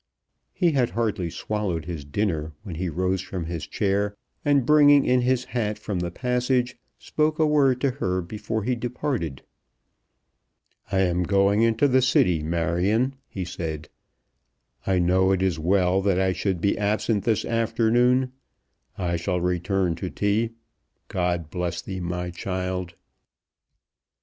He had hardly swallowed his dinner when he rose from his chair, and, bringing in his hat from the passage, spoke a word to her before he departed. "I am going into the City, Marion," he said. "I know it is well that I should be absent this afternoon. I shall return to tea. God bless thee, my child."